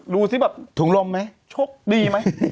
ดูสิแบบถุงลมไหมโชคดีไหม